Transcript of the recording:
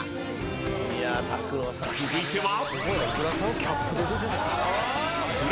［続いては］